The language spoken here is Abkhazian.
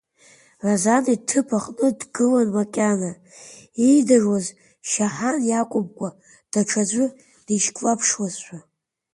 Разан иҭыԥ аҟны дгылан макьана, иидыруаз Шьаҳан иакәымкәа, даҽаӡәы дишьклаԥшуазшәа.